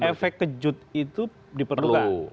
efek kejut itu diperlukan